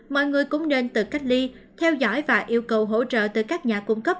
mọi người cũng nên tự cách ly theo dõi và yêu cầu hỗ trợ từ các nhà cung cấp